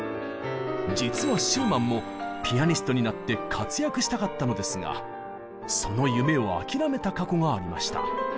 実はシューマンもピアニストになって活躍したかったのですがその夢を諦めた過去がありました。